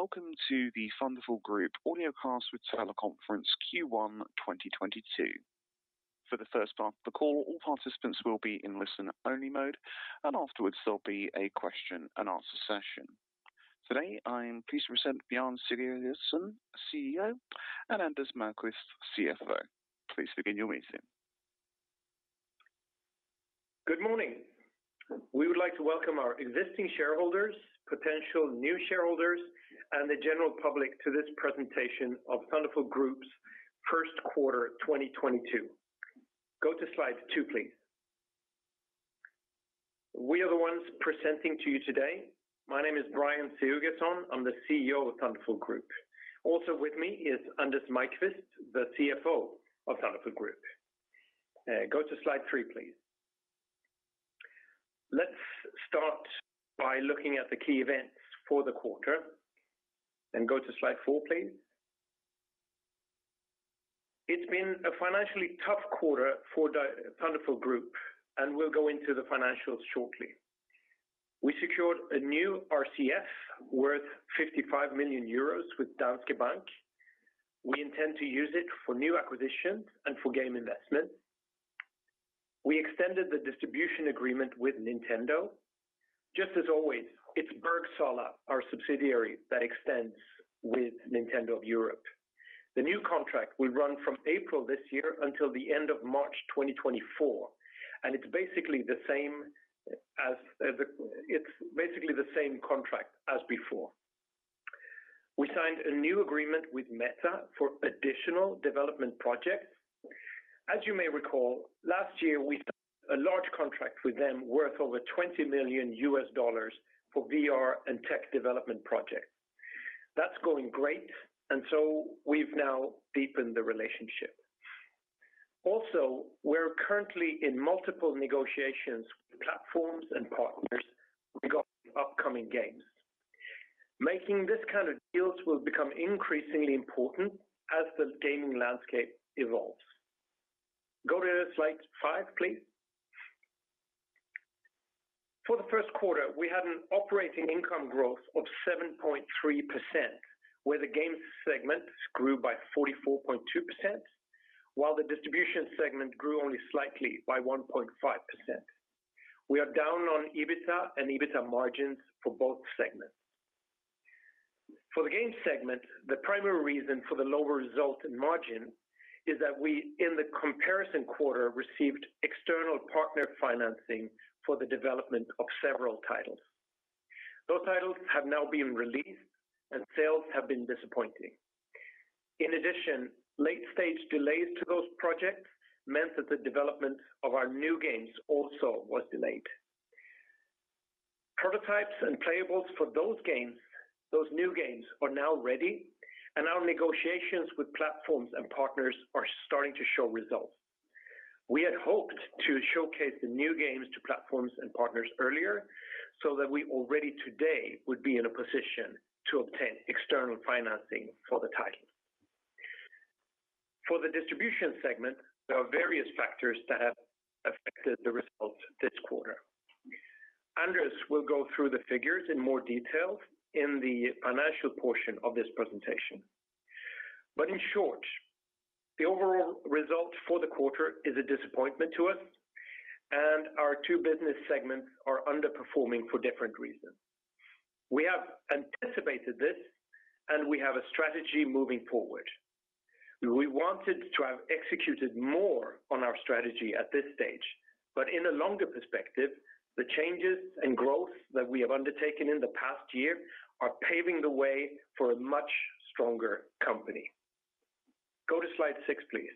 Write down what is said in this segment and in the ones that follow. Welcome to the Thunderful Group Audiocast with Teleconference Q1 2022. For the first part of the call, all participants will be in listen-only mode, and afterwards there'll be a question and answer session. Today, I'm pleased to present Brjann Sigurgeirsson, CEO, and Anders Maiqvist, CFO. Please begin your meeting. Good morning. We would like to welcome our existing shareholders, potential new shareholders, and the general public to this presentation of Thunderful Group's first quarter 2022. Go to slide two, please. We are the ones presenting to you today. My name is Brjann Sigurgeirsson. I'm the CEO of Thunderful Group. Also with me is Anders Maiqvist, the CFO of Thunderful Group. Go to slide three, please. Let's start by looking at the key events for the quarter, and go to slide four, please. It's been a financially tough quarter for Thunderful Group, and we'll go into the financials shortly. We secured a new RCF worth 55 million euros with Danske Bank. We intend to use it for new acquisitions and for game investment. We extended the distribution agreement with Nintendo. Just as always, it's Bergsala, our subsidiary, that extends with Nintendo of Europe. The new contract will run from April this year until the end of March 2024, and it's basically the same contract as before. We signed a new agreement with Meta for additional development projects. As you may recall, last year we signed a large contract with them worth over $20 million for VR and tech development projects. That's going great, and so we've now deepened the relationship. Also, we're currently in multiple negotiations with platforms and partners regarding upcoming games. Making this kind of deals will become increasingly important as the gaming landscape evolves. Go to slide five, please. For the first quarter, we had an operating income growth of 7.3%, where the games segment grew by 44.2%, while the distribution segment grew only slightly by 1.5%. We are down on EBITDA and EBITDA margins for both segments. For the game segment, the primary reason for the lower result in margin is that we, in the comparison quarter, received external partner financing for the development of several titles. Those titles have now been released and sales have been disappointing. In addition, late-stage delays to those projects meant that the development of our new games also was delayed. Prototypes and playables for those new games are now ready, and our negotiations with platforms and partners are starting to show results. We had hoped to showcase the new games to platforms and partners earlier so that we already today would be in a position to obtain external financing for the titles. For the distribution segment, there are various factors that have affected the results this quarter. Anders will go through the figures in more detail in the financial portion of this presentation. In short, the overall result for the quarter is a disappointment to us, and our two business segments are underperforming for different reasons. We have anticipated this, and we have a strategy moving forward. We wanted to have executed more on our strategy at this stage, but in a longer perspective, the changes and growth that we have undertaken in the past year are paving the way for a much stronger company. Go to slide six, please.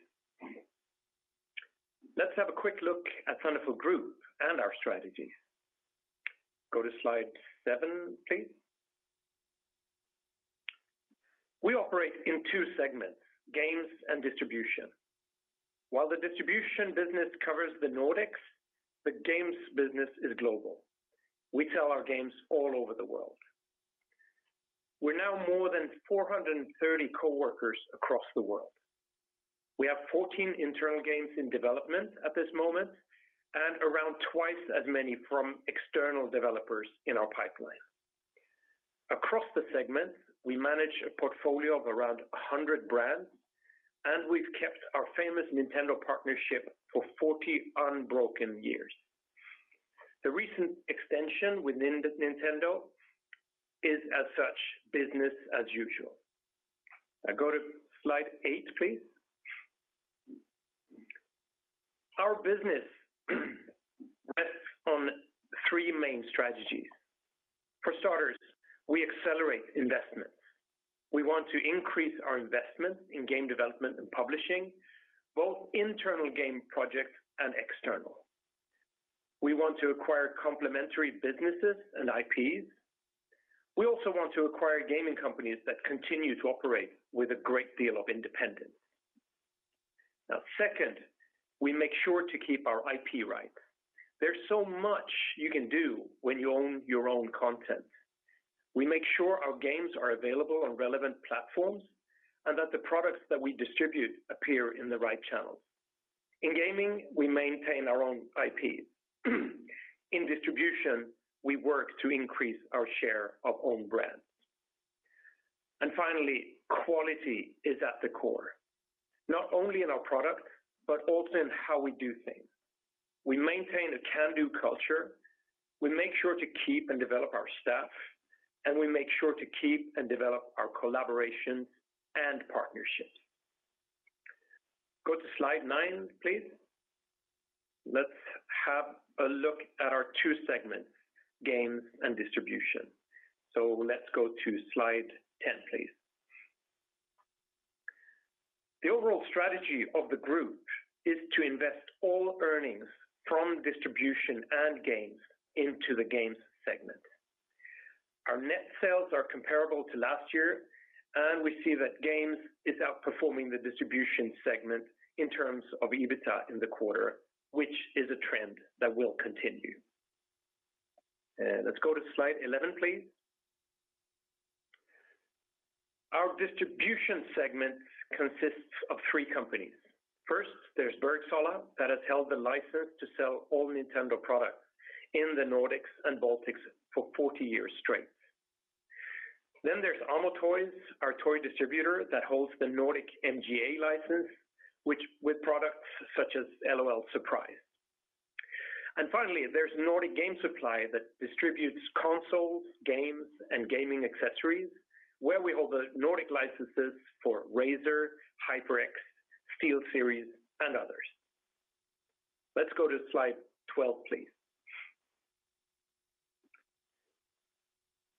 Let's have a quick look at Thunderful Group and our strategy. Go to slide seven, please. We operate in two segments, games and distribution. While the distribution business covers the Nordics, the games business is global. We sell our games all over the world. We're now more than 430 coworkers across the world. We have 14 internal games in development at this moment and around twice as many from external developers in our pipeline. Across the segments, we manage a portfolio of around 100 brands, and we've kept our famous Nintendo partnership for 40 unbroken years. The recent extension within the Nintendo is as such, business as usual. Now go to slide eight, please. Our business rests on three main strategies. For starters, we accelerate investment. We want to increase our investment in game development and publishing, both internal game projects and external. We want to acquire complementary businesses and IPs. We also want to acquire gaming companies that continue to operate with a great deal of independence. Now second, we make sure to keep our IP right. There's so much you can do when you own your own content. We make sure our games are available on relevant platforms and that the products that we distribute appear in the right channels. In gaming, we maintain our own IPs. In distribution, we work to increase our share of own brands. Finally, quality is at the core, not only in our product, but also in how we do things. We maintain a can-do culture. We make sure to keep and develop our staff, and we make sure to keep and develop our collaboration and partnerships. Go to slide nine, please. Let's have a look at our two segments, games and distribution. Let's go to slide ten, please. The overall strategy of the group is to invest all earnings from distribution and games into the games segment. Our net sales are comparable to last year, and we see that games is outperforming the distribution segment in terms of EBITDA in the quarter, which is a trend that will continue. Let's go to slide 11, please. Our distribution segment consists of three companies. First, there's Bergsala that has held the license to sell all Nintendo products in the Nordics and Baltics for 40 years straight. Then there's Amo Toys, our toy distributor that holds the Nordic MGA license, which with products such as L.O.L. Surprise!. And finally, there's Nordic Game Supply that distributes consoles, games, and gaming accessories, where we hold the Nordic licenses for Razer, HyperX, SteelSeries, and others. Let's go to slide 12, please.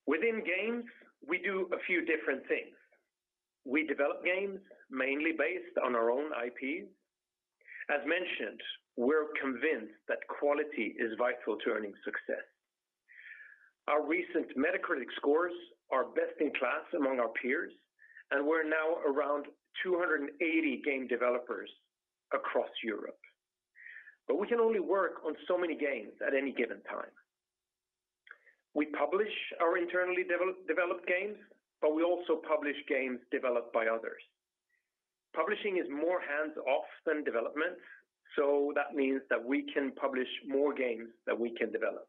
Within games, we do a few different things. We develop games mainly based on our own IP. As mentioned, we're convinced that quality is vital to earning success. Our recent Metacritic scores are best in class among our peers, and we're now around 280 game developers across Europe. We can only work on so many games at any given time. We publish our internally developed games, but we also publish games developed by others. Publishing is more hands-off than development, so that means that we can publish more games than we can develop.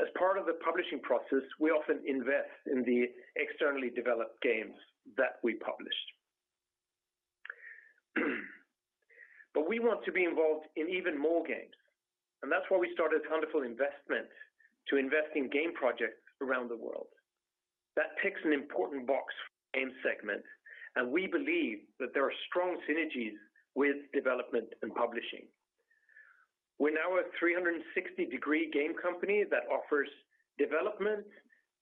As part of the publishing process, we often invest in the externally developed games that we publish. We want to be involved in even more games, and that's why we started Thunderful Investments to invest in game projects around the world. That ticks an important box for game segment, and we believe that there are strong synergies with development and publishing. We're now a 360 degree game company that offers development,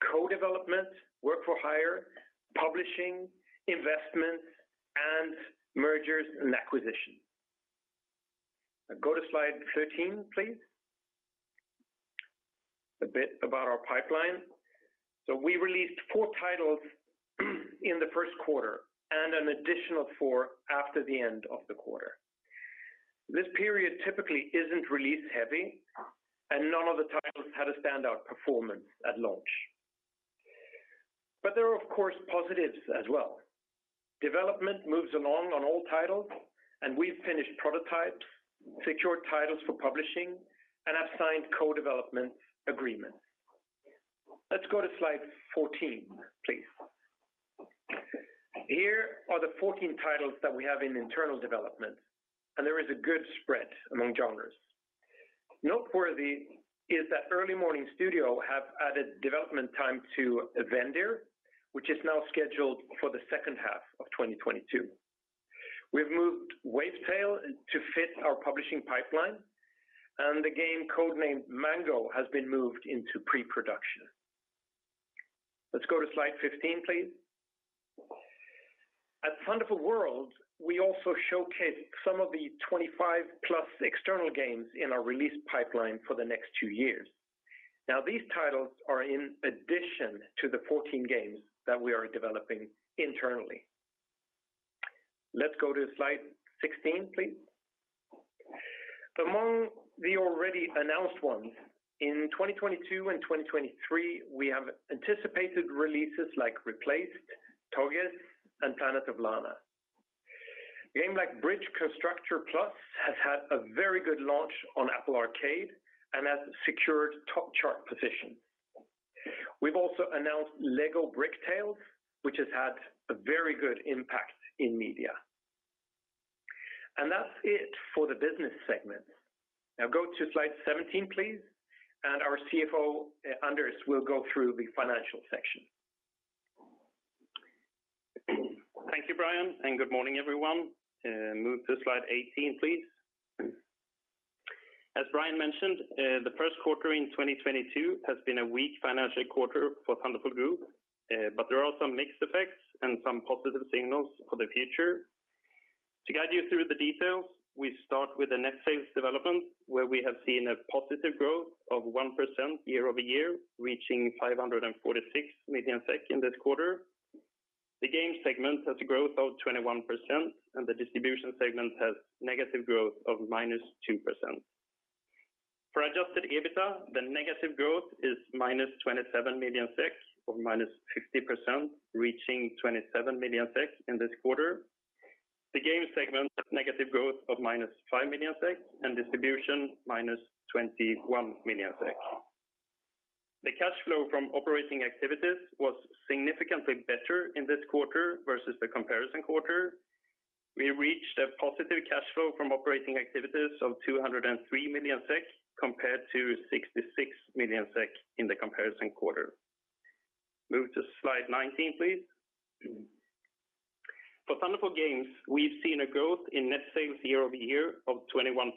co-development, work-for-hire, publishing, investments, and mergers and acquisition. Go to slide 13, please. A bit about our pipeline. We released four titles in the first quarter and an additional four after the end of the quarter. This period typically isn't release heavy, and none of the titles had a standout performance at launch. There are, of course, positives as well. Development moves along on all titles, and we've finished prototypes, secured titles for publishing, and have signed co-development agreements. Let's go to slide 14, please. Here are the 14 titles that we have in internal development, and there is a good spread among genres. Noteworthy is that Early Morning Studio have added development time to Vendir, which is now scheduled for the second half of 2022. We've moved Wavetale to fit our publishing pipeline, and the game code-named Mango has been moved into pre-production. Let's go to slide 15, please. At Thunderful World, we also showcase some of the 25+ external games in our release pipeline for the next two years. Now, these titles are in addition to the 14 games that we are developing internally. Let's go to slide 16, please. Among the already announced ones in 2022 and 2023, we have anticipated releases like Replaced, Togges, and Planet of Lana. Game like Bridge Constructor Plus has had a very good launch on Apple Arcade and has secured top chart position. We've also announced LEGO Bricktales, which has had a very good impact in media. That's it for the business segment. Now go to slide 17, please, and our CFO, Anders, will go through the financial section. Thank you, Brjann Sigurgeirsson, and good morning, everyone. Move to slide 18, please. As Brjann Sigurgeirsson mentioned, the first quarter in 2022 has been a weak financial quarter for Thunderful Group, but there are some mixed effects and some positive signals for the future. To guide you through the details, we start with the net sales development, where we have seen a positive growth of 1% year-over-year, reaching 546 million SEK in this quarter. The game segment has a growth of 21%, and the distribution segment has negative growth of -2%. For Adjusted EBITDA, the negative growth is -27 million or -50%, reaching 27 million in this quarter. The game segment has negative growth of -5 million and distribution -21 million. The cash flow from operating activities was significantly better in this quarter versus the comparison quarter. We reached a positive cash flow from operating activities of 203 million SEK compared to 66 million SEK in the comparison quarter. Move to slide 19, please. For Thunderful Games, we've seen a growth in net sales year-over-year of 21%,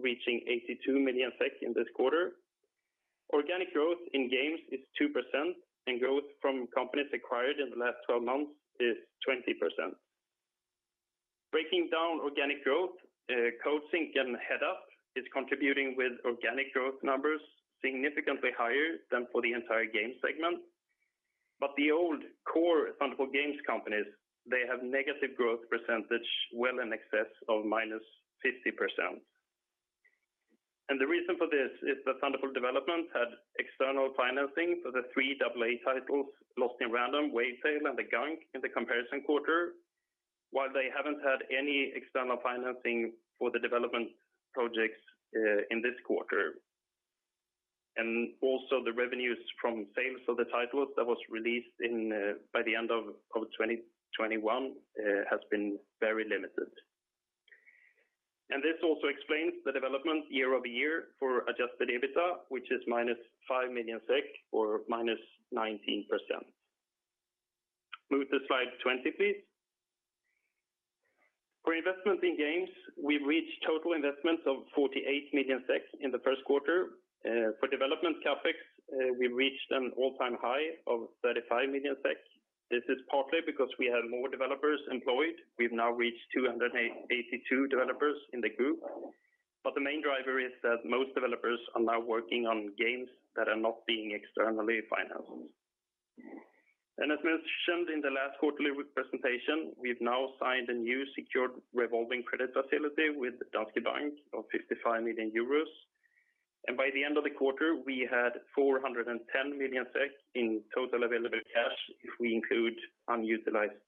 reaching 82 million SEK in this quarter. Organic growth in games is 2%, and growth from companies acquired in the last twelve months is 20%. Breaking down organic growth, Coatsink and Headup is contributing with organic growth numbers significantly higher than for the entire game segment. The old core Thunderful Games companies, they have negative growth percentage well in excess of -50%. The reason for this is that Thunderful Development had external financing for the three AA titles, Lost in Random, Wavetale, and The Gunk in the comparison quarter, while they haven't had any external financing for the development projects in this quarter. The revenues from sales of the titles that was released by the end of 2021 has been very limited. This also explains the development year-over-year for Adjusted EBITDA, which is -5 million SEK or -19%. Move to slide 20, please. For investment in games, we reached total investments of 48 million in the first quarter. For development CapEx, we reached an all-time high of 35 million SEK. This is partly because we have more developers employed. We've now reached 282 developers in the group. The main driver is that most developers are now working on games that are not being externally financed. As mentioned in the last quarterly presentation, we've now signed a new secured revolving credit facility with Danske Bank of 55 million euros. By the end of the quarter, we had 410 million SEK in total available cash if we include unutilized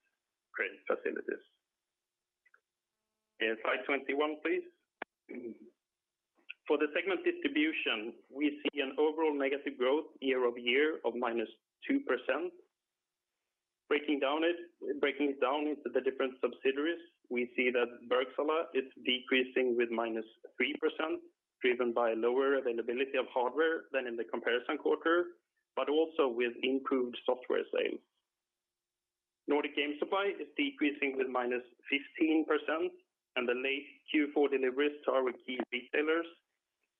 credit facilities. Slide 21, please. For the segment distribution, we see an overall negative growth year-over-year of -2%. Breaking it down into the different subsidiaries, we see that Bergsala is decreasing with -3%, driven by lower availability of hardware than in the comparison quarter, but also with improved software sales. Nordic Game Supply is decreasing with -15%, and the late Q4 deliveries to our key retailers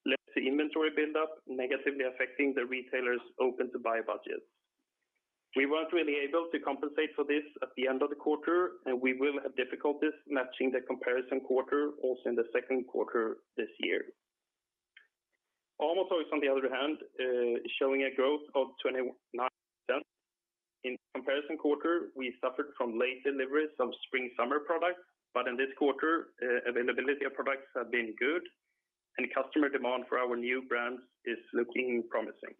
led to inventory build-up negatively affecting the retailers open to buy budgets. We weren't really able to compensate for this at the end of the quarter, and we will have difficulties matching the comparison quarter also in the second quarter this year. Amo Toys, on the other hand, showing a growth of 29%. In comparison quarter, we suffered from late deliveries of spring/summer products, but in this quarter, availability of products have been good, and customer demand for our new brands is looking promising.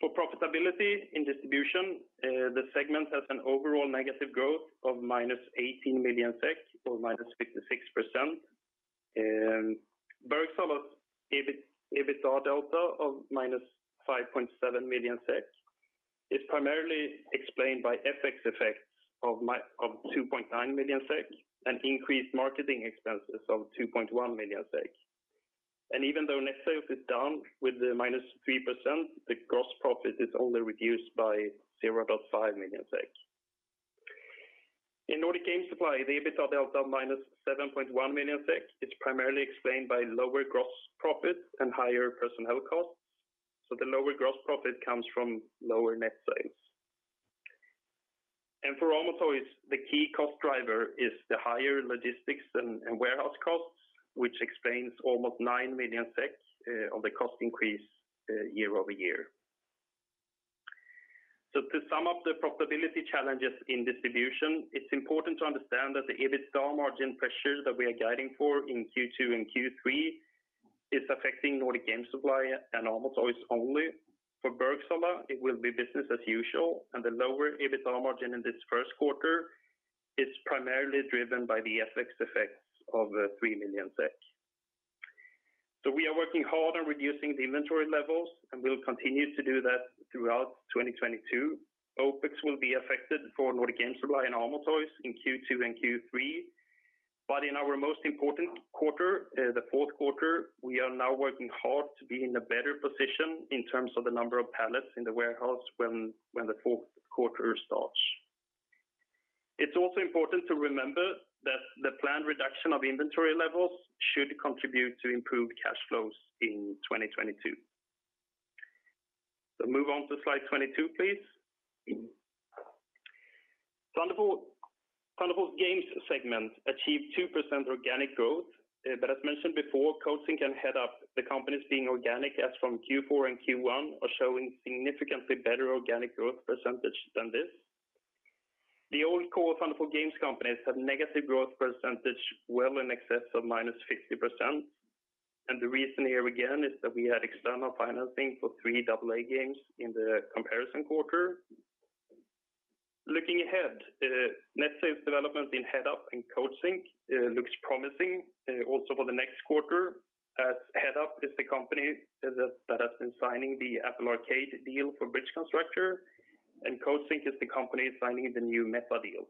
For profitability in distribution, the segment has an overall negative growth of -18 million SEK or -56%. Bergsala's EBIT, EBITDA delta of -5.7 million is primarily explained by FX effects of 2.9 million and increased marketing expenses of 2.1 million. Even though net sales is down 3%, the gross profit is only reduced by 0.5 million. In Nordic Game Supply, the EBITDA delta -7.1 million is primarily explained by lower gross profit and higher personnel costs. The lower gross profit comes from lower net sales. For Amo Toys, the key cost driver is the higher logistics and warehouse costs, which explains almost 9 million of the cost increase year-over-year. To sum up the profitability challenges in distribution, it's important to understand that the EBITDA margin pressure that we are guiding for in Q2 and Q3 is affecting Nordic Game Supply and Amo Toys only. For Bergsala, it will be business as usual, and the lower EBITDA margin in this first quarter is primarily driven by the FX effects of 3 million SEK. We are working hard on reducing the inventory levels, and we will continue to do that throughout 2022. OpEx will be affected for Nordic Game Supply and Amo Toys in Q2 and Q3. In our most important quarter, the fourth quarter, we are now working hard to be in a better position in terms of the number of pallets in the warehouse when the fourth quarter starts. It's also important to remember that the planned reduction of inventory levels should contribute to improved cash flows in 2022. Move on to slide 22, please. Thunderful Games segment achieved 2% organic growth. As mentioned before, Coatsink and Headup, the companies being organic as from Q4 and Q1, are showing significantly better organic growth percentage than this. The old core fund for games companies had negative growth percentage well in excess of -50%. The reason here again is that we had external financing for three AA games in the comparison quarter. Looking ahead, net sales development in Headup and Coatsink looks promising also for the next quarter, as Headup is the company that has been signing the Apple Arcade deal for Bridge Constructor, and Coatsink is the company signing the new Meta deal.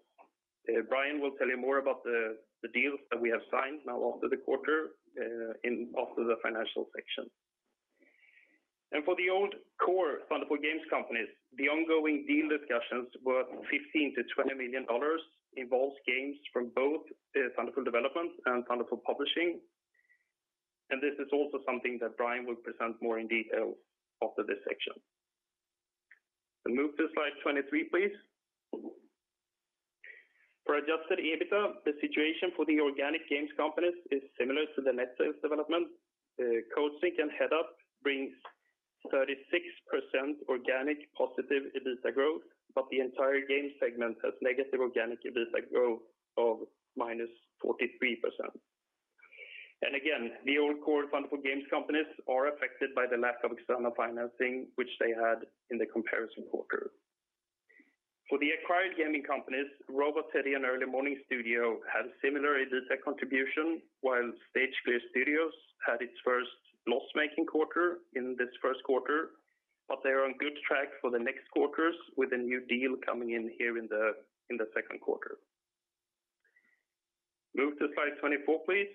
Brjann Sigurgeirsson will tell you more about the deals that we have signed now after the quarter in the financial section. For the old core Thunderful games companies, the ongoing deal discussions worth $15 million-$20 million involves games from both Thunderful Development and Thunderful Publishing. This is also something that Brjann Sigurgeirsson will present more in detail after this section. Move to slide 23, please. For Adjusted EBITDA, the situation for the organic games companies is similar to the net sales development. Coatsink and Headup brings 36% organic positive EBITDA growth, but the entire game segment has negative organic EBITDA growth of -43%. The old core Thunderful games companies are affected by the lack of external financing which they had in the comparison quarter. For the acquired gaming companies, Robot Teddy and Early Morning Studio had similar EBITDA contribution, while Stage Clear Studios had its first loss-making quarter in this first quarter, but they are on good track for the next quarters with a new deal coming in here in the second quarter. Move to slide 24, please.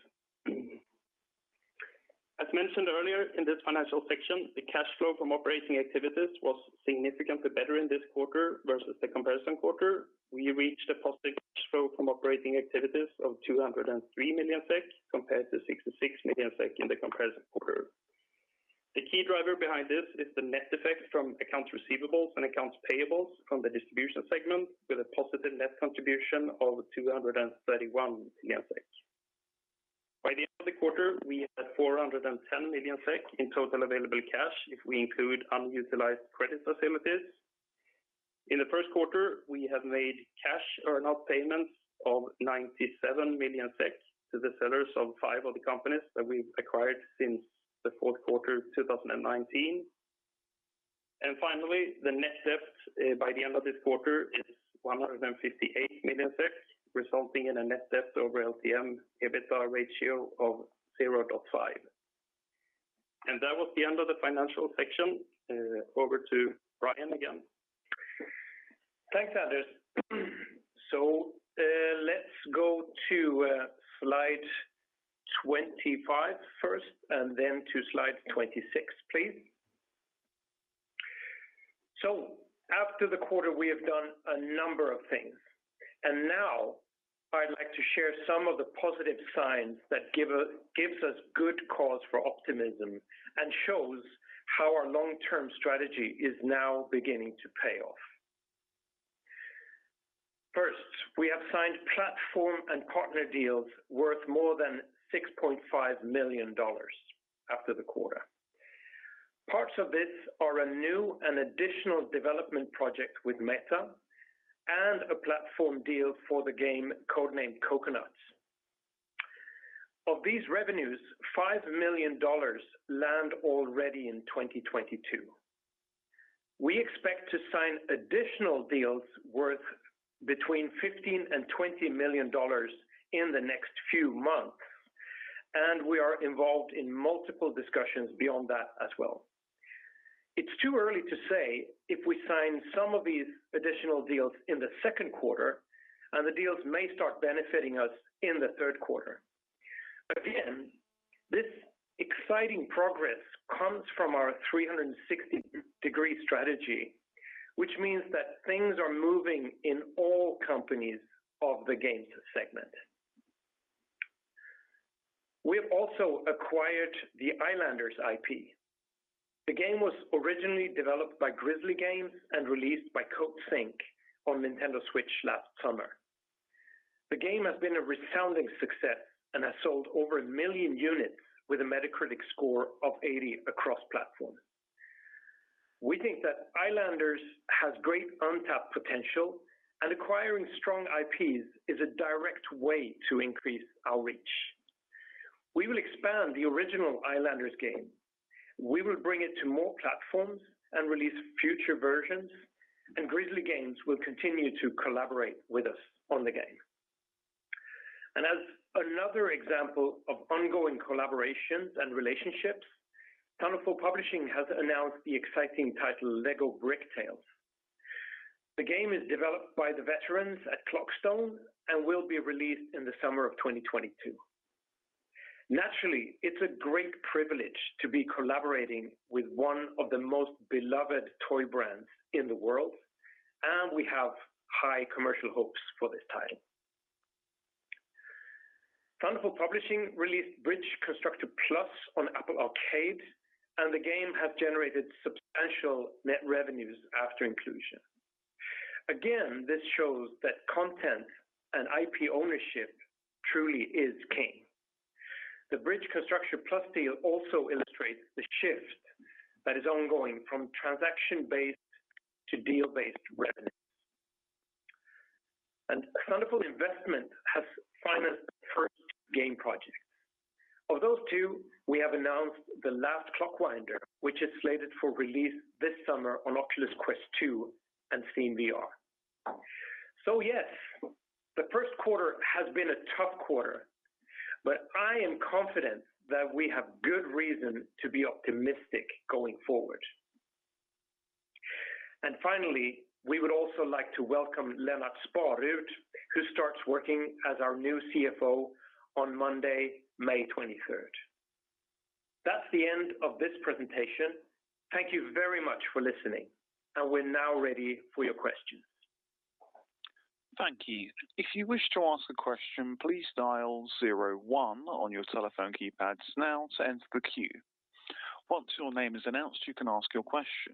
As mentioned earlier in this financial section, the cash flow from operating activities was significantly better in this quarter versus the comparison quarter. We reached a positive cash flow from operating activities of 203 million SEK, compared to 66 million SEK in the comparison quarter. The key driver behind this is the net effect from accounts receivables and accounts payables from the distribution segment, with a positive net contribution of 231 million SEK. By the end of the quarter, we had 410 million SEK in total available cash if we include unutilized credit facilities. In the first quarter, we have made cash earn-out payments of 97 million SEK to the sellers of five of the companies that we've acquired since the fourth quarter 2019. Finally, the net debt by the end of this quarter is 158 million, resulting in a net debt over LTM EBITDA ratio of 0.5. That was the end of the financial section. Over to Brjann again. Thanks, Anders. Let's go to slide 25 first and then to slide 26, please. After the quarter, we have done a number of things, and now I'd like to share some of the positive signs that gives us good cause for optimism and shows how our long-term strategy is now beginning to pay off. First, we have signed platform and partner deals worth more than $6.5 million after the quarter. Parts of this are a new and additional development project with Meta and a platform deal for the game codenamed Coconuts. Of these revenues, $5 million land already in 2022. We expect to sign additional deals worth between $15 million and $20 million in the next few months, and we are involved in multiple discussions beyond that as well. It's too early to say if we sign some of these additional deals in the second quarter, and the deals may start benefiting us in the third quarter. This exciting progress comes from our 360-degree strategy, which means that things are moving in all companies of the games segment. We have also acquired the Islanders IP. The game was originally developed by Grizzly Games and released by Coatsink on Nintendo Switch last summer. The game has been a resounding success and has sold over 1 million units with a Metacritic score of 80 across platforms. We think that Islanders has great untapped potential and acquiring strong IPs is a direct way to increase our reach. We will expand the original Islanders game. We will bring it to more platforms and release future versions, and Grizzly Games will continue to collaborate with us on the game. As another example of ongoing collaborations and relationships, Thunderful Publishing has announced the exciting title LEGO Bricktales. The game is developed by the veterans at ClockStone and will be released in the summer of 2022. Naturally, it's a great privilege to be collaborating with one of the most beloved toy brands in the world, and we have high commercial hopes for this title. Thunderful Publishing released Bridge Constructor Plus on Apple Arcade, and the game has generated substantial net revenues after inclusion. Again, this shows that content and IP ownership truly is king. The Bridge Constructor Plus deal also illustrates the shift that is ongoing from transaction-based to deal-based revenue. Thunderful Investments has financed the first game project. Of those two, we have announced The Last Clockwinder, which is slated for release this summer on Oculus Quest 2 and SteamVR. Yes, the first quarter has been a tough quarter, but I am confident that we have good reason to be optimistic going forward. Finally, we would also like to welcome Lennart Sparud, who starts working as our new CFO on Monday, May twenty-third. That's the end of this presentation. Thank you very much for listening, and we're now ready for your questions. Thank you. If you wish to ask a question, please dial zero-one on your telephone keypads now to enter the queue. Once your name is announced, you can ask your question.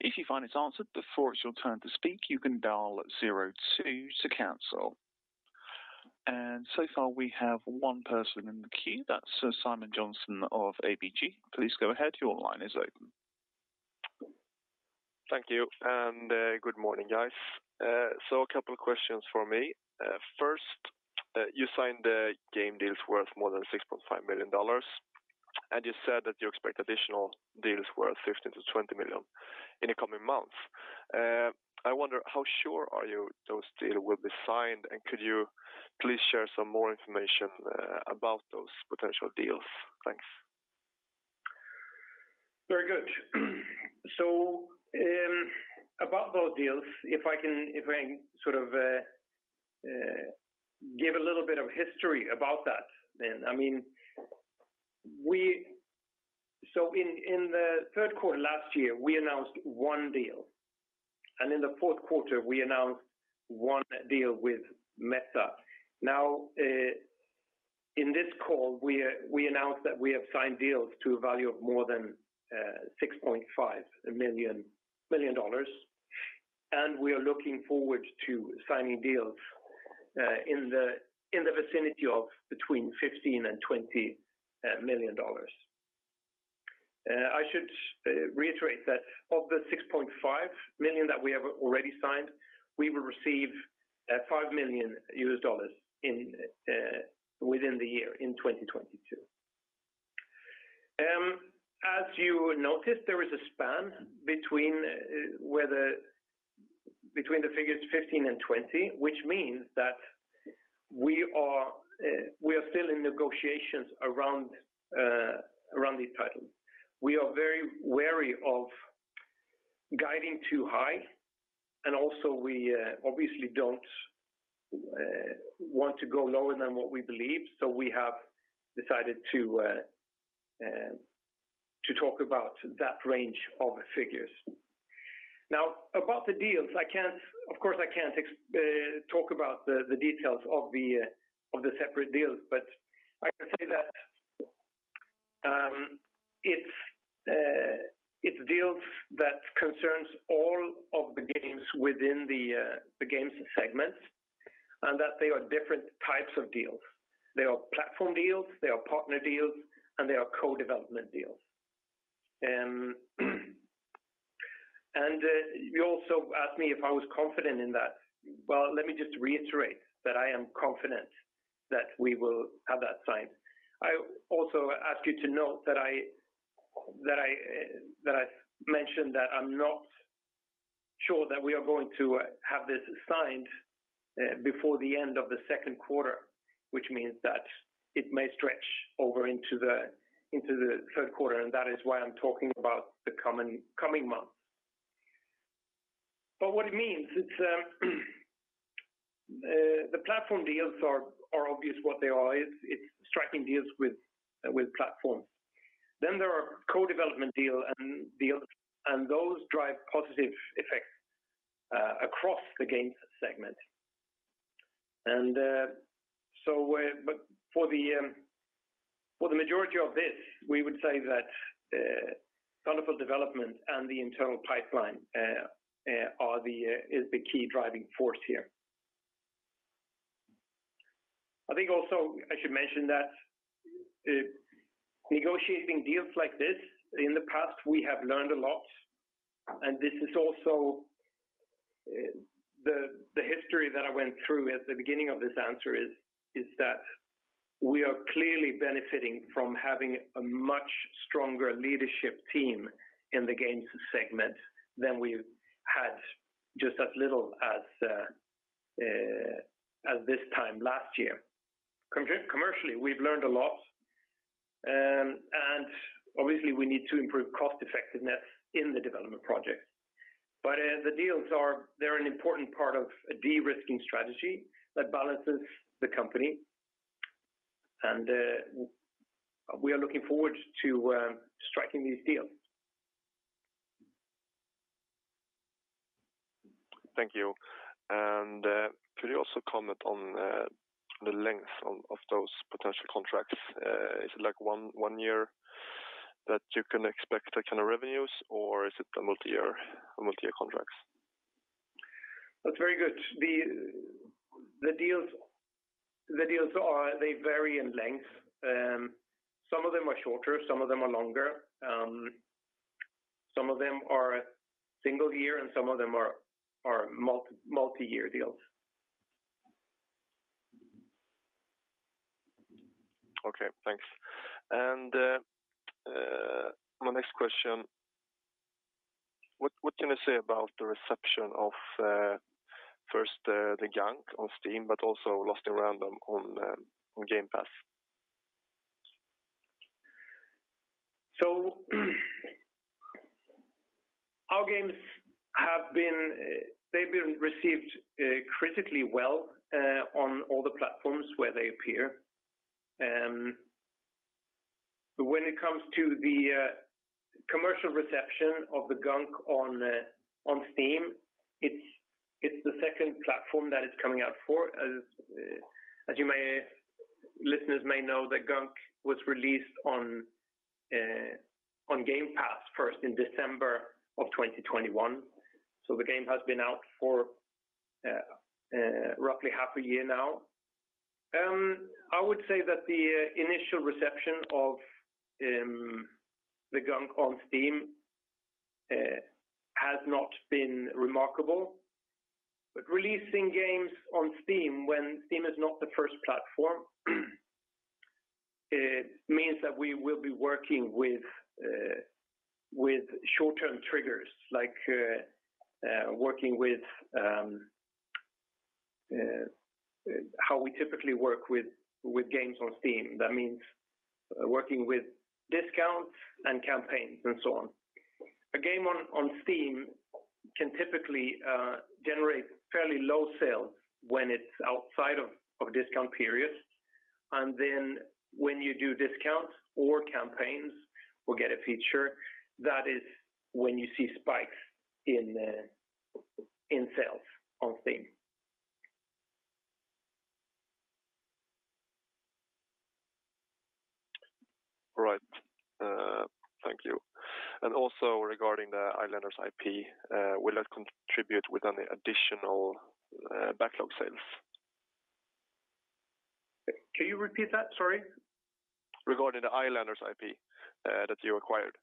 If you find it's answered before it's your turn to speak, you can dial zero-two to cancel. So far, we have one person in the queue. That's Simon Jönsson of ABG Sundal Collier. Please go ahead. Your line is open. Thank you. Good morning, guys. A couple of questions for me. First, you signed the game deals worth more than $6.5 million, and you said that you expect additional deals worth $15 million-$20 million in the coming months. I wonder how sure are you those deal will be signed, and could you please share some more information about those potential deals? Thanks. Very good. About those deals, if I can, if I sort of give a little bit of history about that then. I mean, in the third quarter last year, we announced one deal, and in the fourth quarter we announced one deal with Meta. Now, in this call, we announced that we have signed deals to a value of more than $6.5 million, and we are looking forward to signing deals in the vicinity of between $15 million and $20 million. I should reiterate that of the $6.5 million that we have already signed, we will receive $5 million within the year in 2022. As you noticed, there is a span between the figures 15 and 20, which means that we are still in negotiations around these titles. We are very wary of guiding too high, and also we obviously don't want to go lower than what we believe, so we have decided to talk about that range of figures. Now, about the deals, of course, I can't talk about the details of the separate deals, but I can say that it's deals that concerns all of the games within the games segments, and that they are different types of deals. They are platform deals, they are partner deals, and they are co-development deals. You also asked me if I was confident in that. Well, let me just reiterate that I am confident that we will have that signed. I also ask you to note that I mentioned that I'm not sure that we are going to have this signed before the end of the second quarter, which means that it may stretch over into the third quarter, and that is why I'm talking about the coming months. What it means, it's the platform deals are obvious what they are. It's striking deals with platforms. Then there are co-development deals, and those drive positive effects across the games segment. For the majority of this, we would say that Thunderful Development and the internal pipeline is the key driving force here. I think also I should mention that negotiating deals like this in the past, we have learned a lot, and this is also the history that I went through at the beginning of this answer is that we are clearly benefiting from having a much stronger leadership team in the games segment than we had just as little as this time last year. Commercially, we've learned a lot, and obviously we need to improve cost effectiveness in the development projects. The deals are...They're an important part of a de-risking strategy that balances the company, and we are looking forward to striking these deals. Thank you. Could you also comment on the length of those potential contracts? Is it like one year that you can expect the kind of revenues or is it a multi-year contracts? That's very good. The deals vary in length. Some of them are shorter, some of them are longer. Some of them are single-year, and some of them are multi-year deals. Okay, thanks. My next question, what can you say about the reception of first The Gunk on Steam, but also Lost in Random on Game Pass? Our games have been received critically well on all the platforms where they appear. When it comes to the commercial reception of The Gunk on Steam, it's the second platform that it's coming out for. Listeners may know that The Gunk was released on Game Pass December 1st of 2021. The game has been out for roughly half a year now. I would say that the initial reception of The Gunk on Steam has not been remarkable. Releasing games on Steam when Steam is not the first platform, it means that we will be working with short-term triggers, like how we typically work with games on Steam. That means working with discounts and campaigns and so on. A game on Steam can typically generate fairly low sales when it's outside of discount periods. When you do discounts or campaigns or get a feature, that is when you see spikes in sales on Steam. Right. Thank you. Regarding the Islanders IP, will that contribute with any additional backlog sales? Can you repeat that? Sorry. Regarding the Islanders IP that you acquired,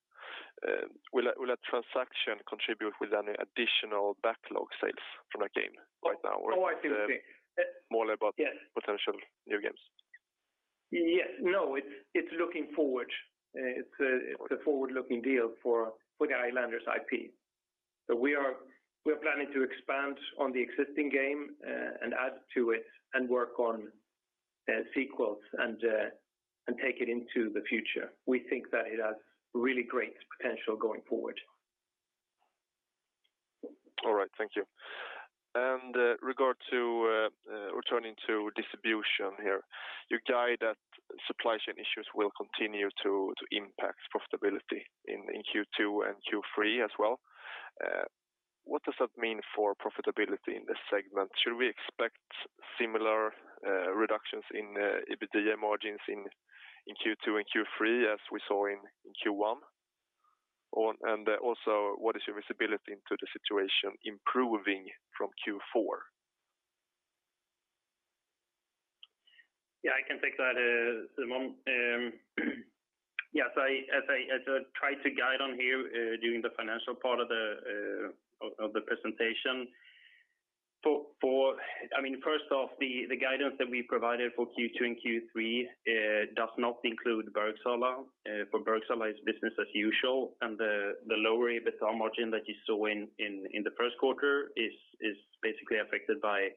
will that transaction contribute with any additional backlog sales from that game right now? Oh, I see what you mean. ...or more about- Yes Potential new games? Yes. No, it's looking forward. It's a forward-looking deal for the Islanders IP. We are planning to expand on the existing game and add to it and work on sequels and take it into the future. We think that it has really great potential going forward. All right. Thank you. In regard to returning to distribution here, you guide that supply chain issues will continue to impact profitability in Q2 and Q3 as well. What does that mean for profitability in this segment? Should we expect similar reductions in EBITDA margins in Q2 and Q3 as we saw in Q1? What is your visibility into the situation improving from Q4? Yeah, I can take that, Simon. Yes, as I tried to guide on here during the financial part of the presentation, I mean, first off, the guidance that we provided for Q2 and Q3 does not include Bergsala. For Bergsala, it's business as usual, and the lower EBITDA margin that you saw in the first quarter is basically affected by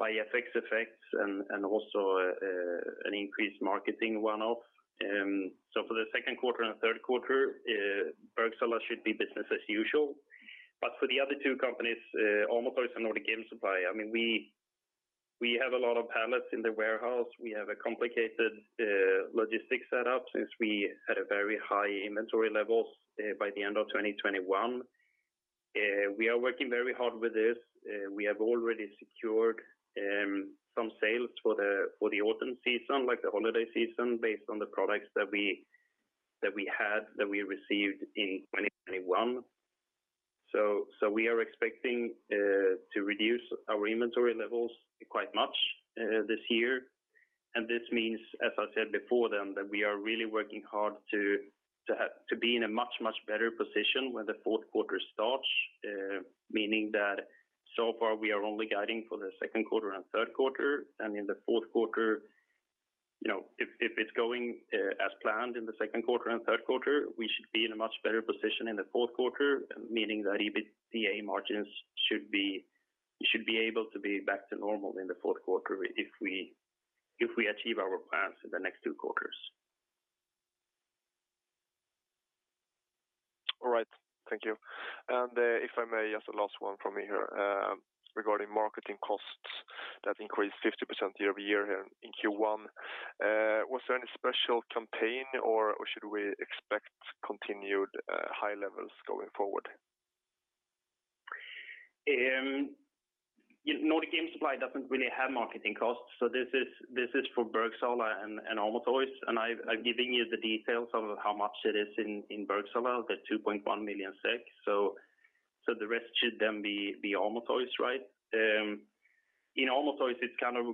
FX effects and also an increased marketing one-off. So for the second quarter and third quarter, Bergsala should be business as usual. But for the other two companies, Amo Toys and Nordic Game Supply, I mean, we have a lot of pallets in the warehouse. We have a complicated logistics setup since we had very high inventory levels by the end of 2021. We are working very hard with this. We have already secured some sales for the autumn season, like the holiday season, based on the products that we had that we received in 2021. We are expecting to reduce our inventory levels quite much this year. This means, as I said before then, that we are really working hard to be in a much better position when the fourth quarter starts. Meaning that so far we are only guiding for the second quarter and third quarter. In the fourth quarter, you know, if it's going as planned in the second quarter and third quarter, we should be in a much better position in the fourth quarter, meaning that EBITDA margins should be able to be back to normal in the fourth quarter if we achieve our plans for the next two quarters. All right. Thank you. If I may, just a last one from me here, regarding marketing costs that increased 50% year-over-year here in Q1, was there any special campaign or should we expect continued high levels going forward? You know, Nordic Game Supply doesn't really have marketing costs, so this is for Bergsala and Amo Toys, and I've given you the details of how much it is in Bergsala, the 2.1 million SEK. The rest should then be Amo Toys, right? In Amo Toys, it's kind of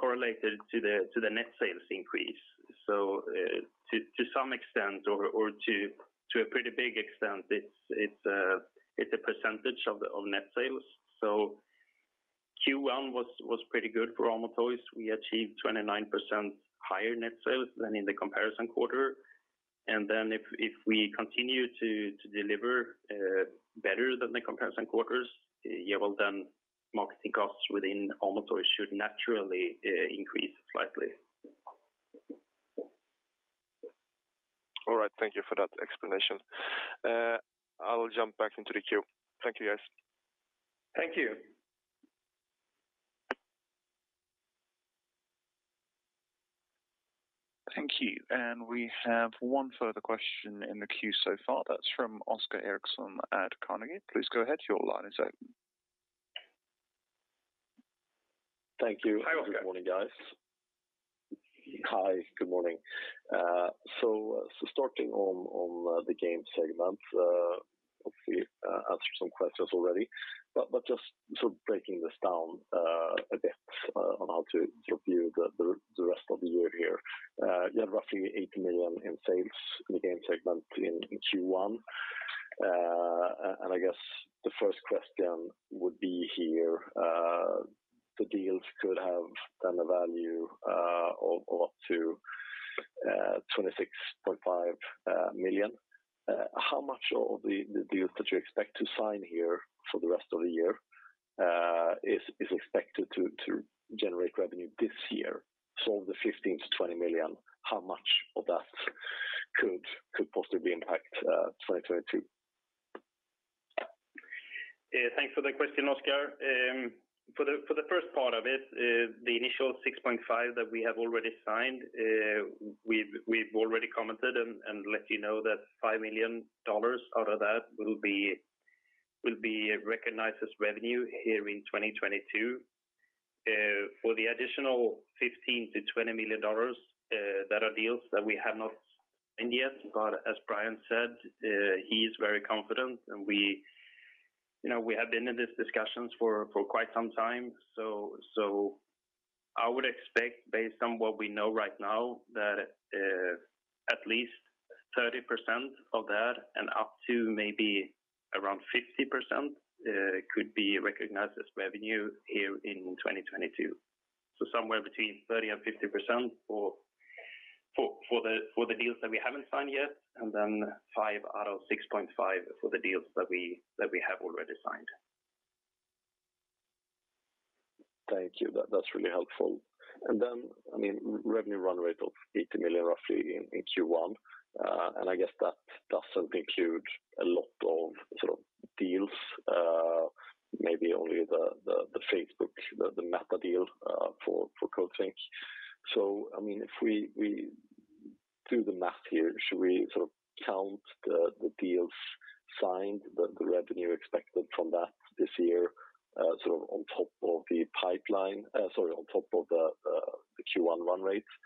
correlated to the net sales increase. To some extent or to a pretty big extent, it's a percentage of net sales. Q1 was pretty good for Amo Toys. We achieved 29% higher net sales than in the comparison quarter. Then if we continue to deliver better than the comparison quarters, yeah, well then marketing costs within Amo Toys should naturally increase slightly. All right. Thank you for that explanation. I will jump back into the queue. Thank you, guys. Thank you. Thank you. We have one further question in the queue so far. That's from Oscar Erixon at Carnegie. Please go ahead. Your line is open. Thank you. Hi, Oscar. Good morning, guys. Hi, good morning. Starting on the game segment, obviously answered some questions already, but just sort of breaking this down a bit on how to view the rest of the year here. You had roughly 80 million in sales in the game segment in Q1. And I guess the first question would be here, the deals could have done a value of up to 26.5 million. How much of the deals that you expect to sign here for the rest of the year is expected to generate revenue this year? Of the 15 million-20 million, how much of that could possibly impact 2022? Thanks for the question, Oscar. For the first part of it, the initial $6.5 million that we have already signed, we've already commented and let you know that $5 million out of that will be recognized as revenue here in 2022. For the additional $15 million-$20 million that are deals that we have not signed yet, as Brjann said, he is very confident and we, you know, we have been in these discussions for quite some time. I would expect based on what we know right now that at least 30% of that and up to maybe around 50% could be recognized as revenue here in 2022. Somewhere between 30% and 50% for the deals that we haven't signed yet, and then 5 out of 6.5 for the deals that we have already signed. Thank you. That's really helpful. I mean, revenue run rate of 80 million roughly in Q1, and I guess that doesn't include a lot of sort of deals, maybe only the Facebook, the Meta deal for Coatsink. I mean, if we do the math here, should we sort of count the deals signed, the revenue expected from that this year sort of on top of the Q1 run rates? Also given that you're signing a lot of deals, is there any upside based on the success of game releases will be mainly sort of deal revenue? Yeah, good. Yeah, out of the $5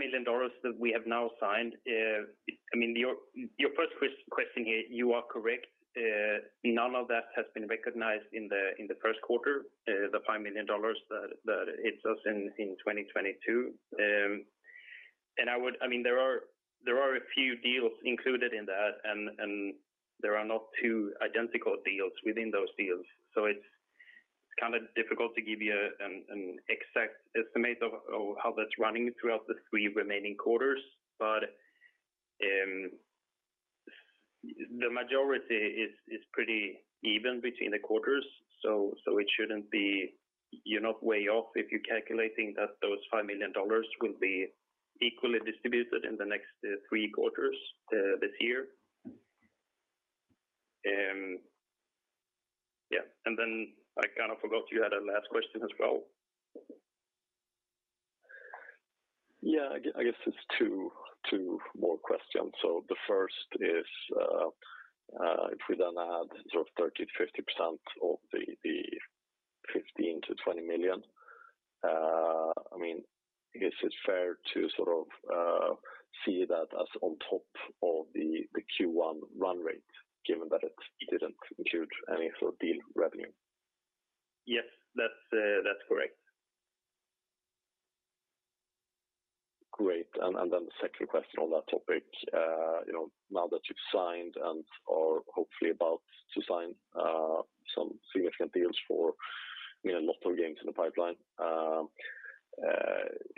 million that we have now signed, I mean, your first question here, you are correct. None of that has been recognized in the first quarter, the $5 million that hits us in 2022. I mean, there are a few deals included in that and there are not two identical deals within those deals. So it's kind of difficult to give you an exact estimate of how that's running throughout the three remaining quarters. But the majority is pretty even between the quarters. So it shouldn't be, you're not way off if you're calculating that those $5 million will be equally distributed in the next three quarters this year. Yeah. I kind of forgot you had a last question as well. Yeah. I guess it's two more questions. The first is, if we then add sort of 30%-50% of the 15 million-20 million, I mean, I guess it's fair to sort of see that as on top of the Q1 run rate, given that it didn't include any sort of deal revenue. Yes. That's correct. Great. Then the second question on that topic, you know, now that you've signed and/or hopefully about to sign, some significant deals for, I mean, a lot of games in the pipeline,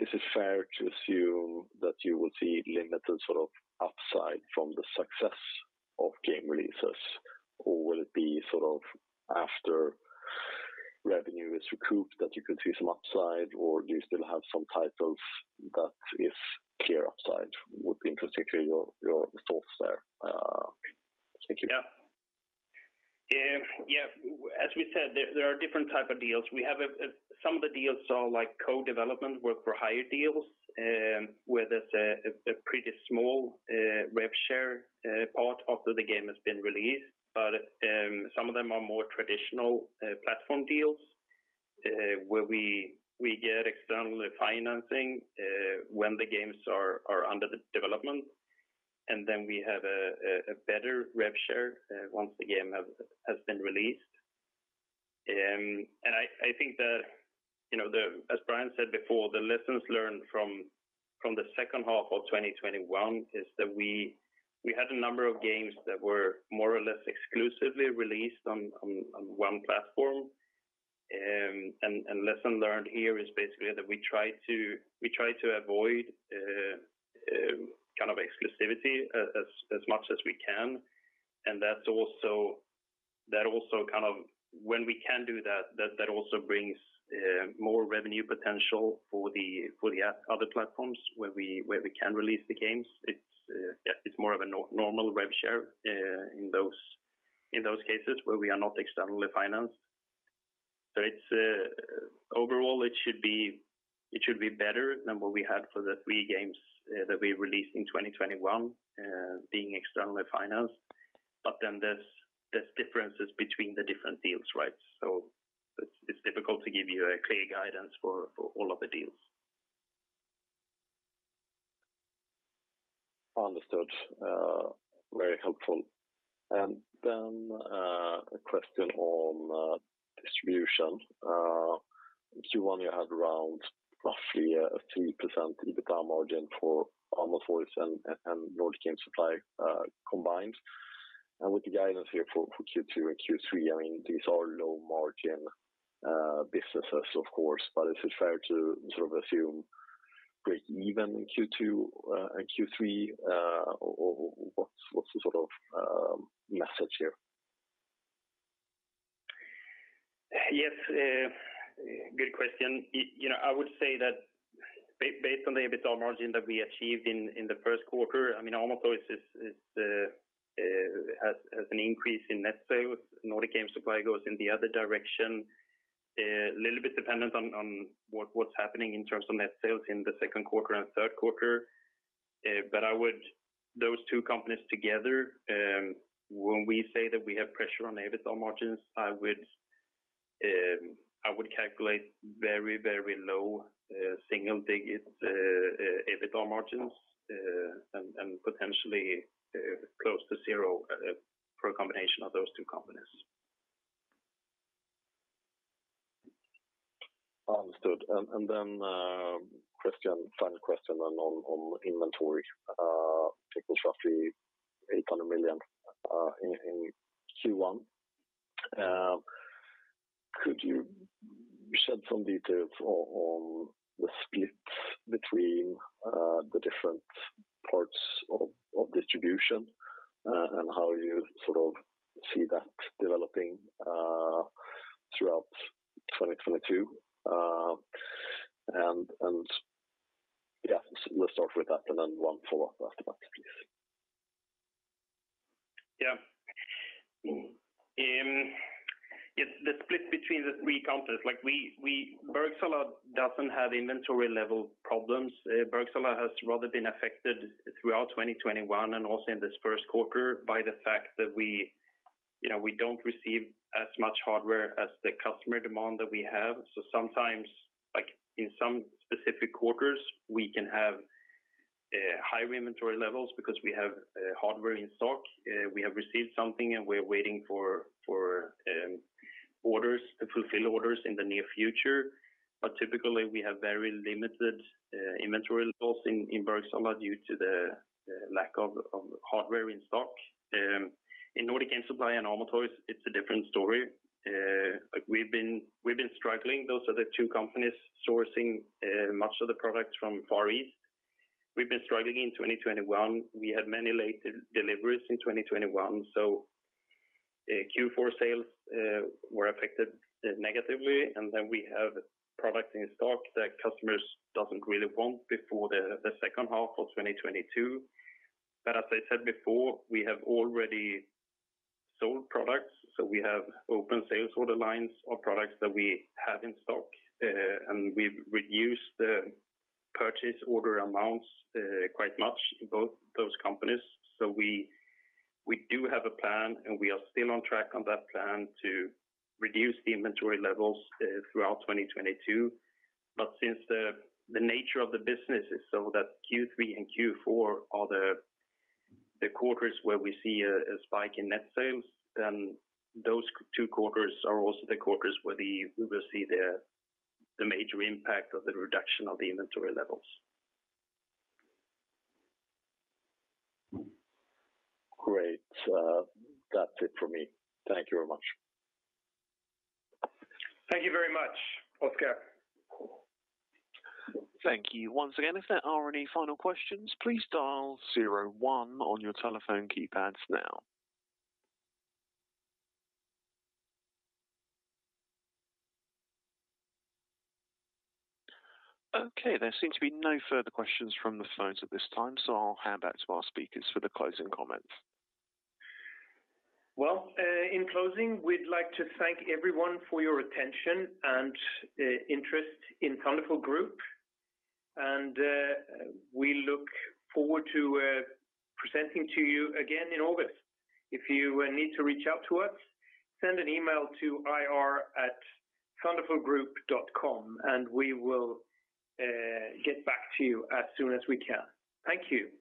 is it fair to assume that you will see limited sort of upside from the success of game releases? Could be sort of after revenue is recouped that you could see some upside or do you still have some titles that is clear upside would be particularly your thoughts there? Thank you. Yeah. Yeah, as we said, there are different type of deals. We have some of the deals are like co-development work for higher deals, where there's a pretty small rev share part after the game has been released. Some of them are more traditional platform deals, where we get external financing when the games are under the development, and then we have a better rev share once the game has been released. I think that, you know, as Brjann Sigurgeirsson said before, the lessons learned from the second half of 2021 is that we had a number of games that were more or less exclusively released on one platform. Lesson learned here is basically that we try to avoid kind of exclusivity as much as we can. That's also, when we can do that also brings more revenue potential for the other platforms where we can release the games. It's more of a normal rev share in those cases where we are not externally financed. Overall, it should be better than what we had for the three games that we released in 2021 being externally financed. Then there's differences between the different deals, right? It's difficult to give you a clear guidance for all of the deals. Understood. Very helpful. A question on distribution. Q1, you had around roughly a 3% EBITDA margin for Amo Toys and Nordic Game Supply, combined. With the guidance here for Q2 and Q3, I mean, these are low margin businesses, of course. Is it fair to sort of assume break even in Q2 and Q3, or what's the sort of message here? Yes, good question. You know, I would say that based on the EBITA margin that we achieved in the first quarter, I mean, Amo Toys has an increase in net sales. Nordic Game Supply goes in the other direction. Little bit dependent on what's happening in terms of net sales in the second quarter and third quarter. Those two companies together, when we say that we have pressure on EBITA margins, I would calculate very, very low single digits EBITA margins, and potentially close to zero, for a combination of those two companies. Understood. Then final question on inventory, it was roughly 800 million in Q1. Could you shed some details on the split between the different parts of distribution and how you sort of see that developing throughout 2022? Yeah, let's start with that and then one follow-up after that, please. Yes, the split between the three companies, Bergsala doesn't have inventory level problems. Bergsala has rather been affected throughout 2021 and also in this first quarter by the fact that we don't receive as much hardware as the customer demand that we have. Sometimes, in some specific quarters, we can have higher inventory levels because we have hardware in stock. We have received something and we're waiting for orders to fulfill orders in the near future. Typically, we have very limited inventory levels in Bergsala due to the lack of hardware in stock. In Nordic Game Supply and Amo Toys, it's a different story. We've been struggling. Those are the two companies sourcing much of the products from Far East. We've been struggling in 2021. We had many late deliveries in 2021, so Q4 sales were affected negatively. Then we have product in stock that customers doesn't really want before the second half of 2022. As I said before, we have already sold products, so we have open sales order lines of products that we have in stock. We've reduced the purchase order amounts quite much in both those companies. We do have a plan, and we are still on track on that plan to reduce the inventory levels throughout 2022. Since the nature of the business is so that Q3 and Q4 are the quarters where we see a spike in net sales, then those two quarters are also the quarters where we will see the major impact of the reduction of the inventory levels. Great. That's it for me. Thank you very much. Thank you very much, Oscar. Thank you once again. If there are any final questions, please dial zero one on your telephone keypads now. Okay, there seem to be no further questions from the phones at this time, so I'll hand back to our speakers for the closing comments. Well, in closing, we'd like to thank everyone for your attention and interest in Thunderful Group. We look forward to presenting to you again in August. If you need to reach out to us, send an email to ir@thunderfulgroup.com, and we will get back to you as soon as we can. Thank you.